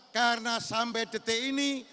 karena sampai detik ini